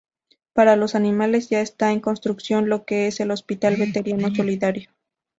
Para los animales ya esta en construcción lo que es el Hospital Veterinario Solidario.